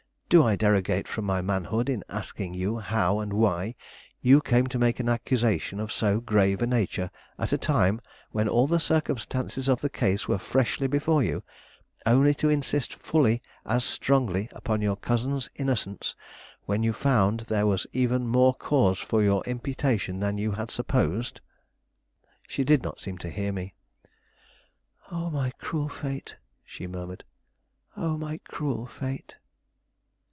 Do I derogate from my manhood in asking you how and why you came to make an accusation of so grave a nature, at a time when all the circumstances of the case were freshly before you, only to insist fully as strongly upon your cousin's innocence when you found there was even more cause for your imputation than you had supposed?" She did not seem to hear me. "Oh, my cruel fate!" she murmured. "Oh, my cruel fate!"